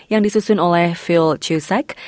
yang disusun oleh phil cusack